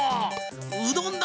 うどんだ！